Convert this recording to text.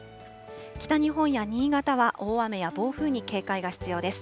北日本や新潟は大雨や暴風に警戒が必要です。